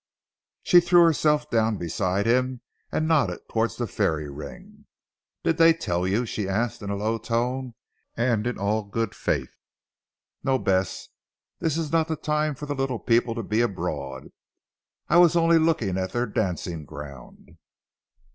She threw herself down beside him and nodded towards the fairy ring. "Did they tell you?" she asked in low tone, and in all good faith. "No, Bess. This is not the time for the little people to be abroad. I was only looking at their dancing ground."